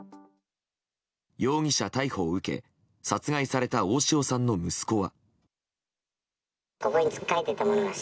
容疑者逮捕を受け殺害された大塩さんの息子は。